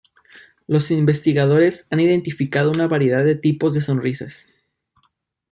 Los investigadores han identificado una variedad de tipos de sonrisas.